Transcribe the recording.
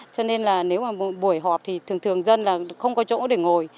cho nên là nếu mà một buổi họp thì thường thường dân là không có chỗ để ngồi